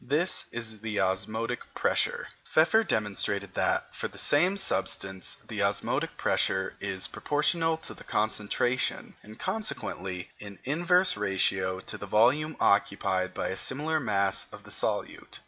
This is the osmotic pressure. Pfeffer demonstrated that, for the same substance, the osmotic pressure is proportional to the concentration, and consequently in inverse ratio to the volume occupied by a similar mass of the solute.